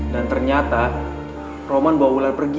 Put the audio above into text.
dan ternyata roman bawa wulan pergi